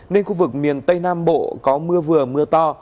nên khu vực miền tây nam bộ có mưa vừa mưa to